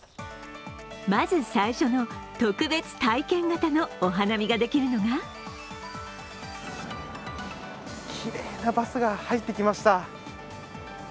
まず最初の特別体験型のお花見ができるのがきれいなバスが入ってきました。